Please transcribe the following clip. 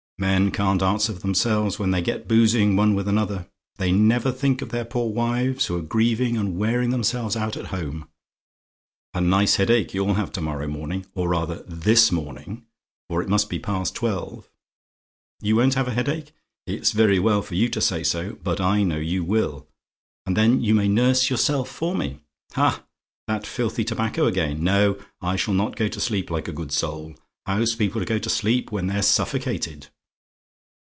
Men can't answer for themselves when they get boozing one with another. They never think of their poor wives, who are grieving and wearing themselves out at home. A nice headache you'll have to morrow morning or rather THIS morning; for it must be past twelve. YOU WON'T HAVE A HEADACHE? It's very well for you to say so, but I know you will; and then you may nurse yourself for me. Ha! that filthy tobacco again! No; I shall not go to sleep like a good soul. How's people to go to sleep when they're suffocated?